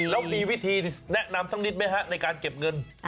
แล้วมีวิธีแนะนำสักนิดไหมฮะในการเก็บเงิน